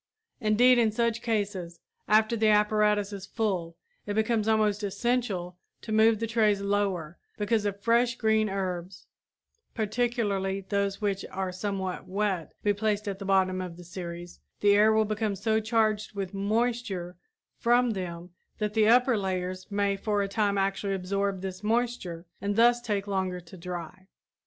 Indeed in such cases, after the apparatus is full, it becomes almost essential to move the trays lower, because if fresh green herbs, particularly those which are somewhat wet, be placed at the bottom of the series, the air will become so charged with moisture from them that the upper layers may for a time actually absorb this moisture and thus take longer to dry.